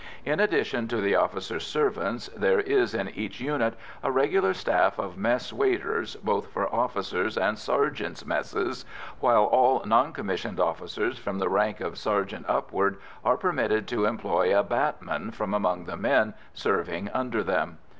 In addition to the officers' servants, there is in each unit a regular staff of mess waiters both for officers' and sergeants' messes, while all non commissioned officers from the rank of sergeant upward are permitted to employ a "bâtman" from among the men serving under them.